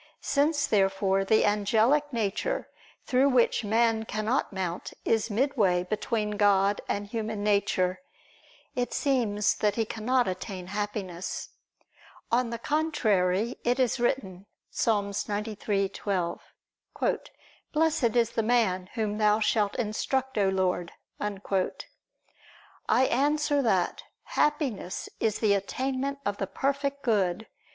Since, therefore, the angelic nature through which man cannot mount is midway between God and human nature; it seems that he cannot attain Happiness. On the contrary, It is written (Ps. 93:12): "Blessed is the man whom Thou shalt instruct, O Lord." I answer that, Happiness is the attainment of the Perfect Good.